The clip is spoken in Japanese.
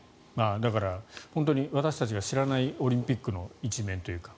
だから、本当に私たちが知らないオリンピックの一面というか。